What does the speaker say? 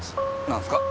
何すか？